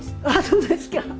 あっそうですか。